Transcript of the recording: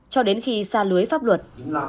cho đến khi xa lưới pháp luật